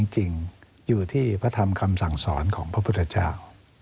จริงอยู่ที่พระธรรมคำสั่งสอนของพระพุทธเจ้า